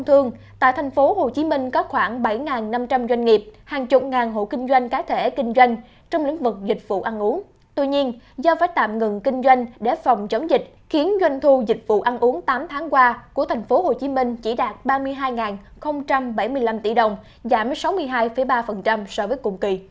tuy nhiên do phải tạm ngừng kinh doanh để phòng chống dịch khiến doanh thu dịch vụ ăn uống tám tháng qua của thành phố hồ chí minh chỉ đạt ba mươi hai bảy mươi năm tỷ đồng giảm sáu mươi hai ba so với cùng kỳ